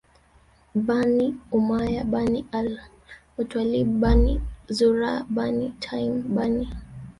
Bani Umayyah Bani al Muttwalib Bani Zuhrah Bani Taym Bani